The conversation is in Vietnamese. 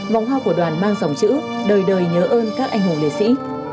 vòng hoa của đoàn mang dòng chữ đời đời nhớ ơn các anh hùng liệt sĩ